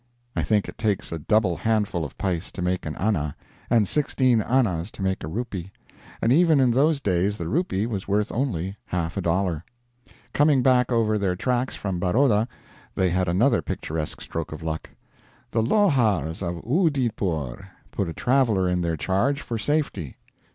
I think it takes a double handful of pice to make an anna, and 16 annas to make a rupee; and even in those days the rupee was worth only half a dollar. Coming back over their tracks from Baroda, they had another picturesque stroke of luck: "'The Lohars of Oodeypore' put a traveler in their charge for safety."